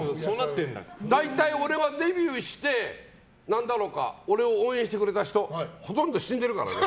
大体、俺はデビューして俺を応援してくれた人ほとんど死んでるからね。